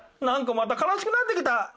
なんかまた悲しくなってきた。